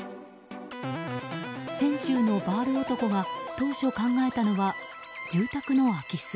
泉州のバール男が当初考えたのは住宅の空き巣。